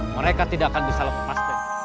mereka tidak akan bisa lepas masker